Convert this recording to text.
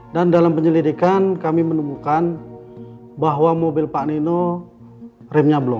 dan dalam penyelidikan kami menemukan bahwa mobil pak nino remnya belum